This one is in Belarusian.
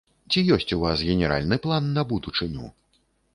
Ці ёсць у вас генеральны план на будучыню?